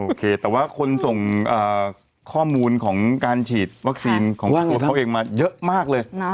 โอเคแต่ว่าคนส่งข้อมูลของการฉีดวัคซีนของตัวเขาเองมาเยอะมากเลย